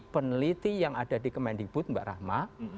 peneliti yang ada di kemendikbud mbak rahma